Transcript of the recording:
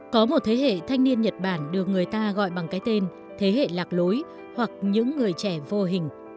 có một thế hệ thanh niên nhật bản được người ta gọi bằng cái tên thế hệ lạc lối hoặc những người trẻ vô hình